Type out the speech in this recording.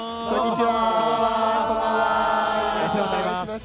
よろしくお願いします。